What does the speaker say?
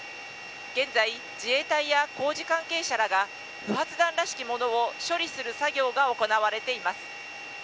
現在、自衛隊や工事関係者らが不発弾らしきものを処理する作業が行われています。